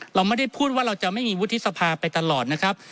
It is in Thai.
เราไม่ได้พูดว่าเราจะไม่มีวุฒิสภาไปตลอดนะครับ